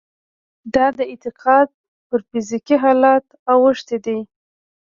دا اعتقاد پر فزيکي حالت اوښتی دی.